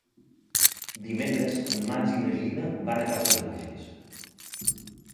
Dimecres en Max i na Gina van a Cases Baixes.